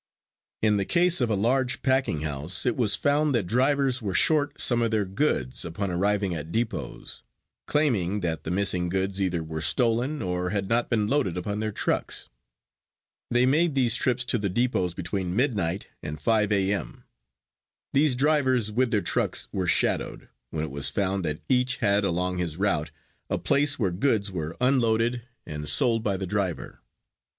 In the case of a large packing house it was found that drivers were short some of their goods upon arriving at depots, claiming that the missing goods either were stolen or had not been loaded upon their trucks. They made these trips to the depots between midnight and 5 a. m. These drivers with their trucks were shadowed, when it was found that each had along his route a place where goods were unloaded and sold by the driver.